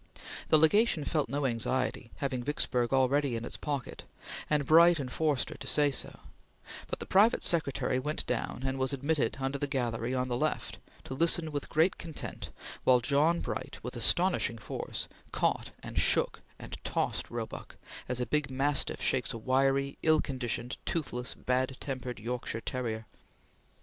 The Legation felt no anxiety, having Vicksburg already in its pocket, and Bright and Forster to say so; but the private secretary went down and was admitted under the gallery on the left, to listen, with great content, while John Bright, with astonishing force, caught and shook and tossed Roebuck, as a big mastiff shakes a wiry, ill conditioned, toothless, bad tempered Yorkshire terrier.